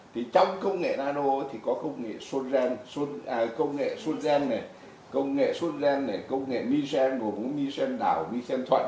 thì trong công nghệ nano thì có công nghệ sô gen công nghệ mi sen gồm mi sen đảo mi sen thuận